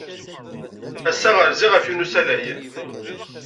Ass-a, rziɣ ɣef yiwen n usalay.